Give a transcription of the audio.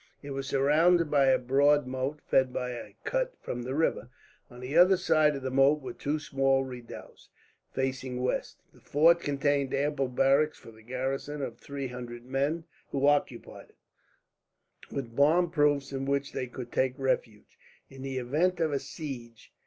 It was surrounded by a broad moat, fed by a cut from the river. On the other side of the moat were two small redoubts, facing west. The fort contained ample barracks for the garrison of three hundred men who occupied it, with bomb proofs in which they could take refuge, in the event of a siege.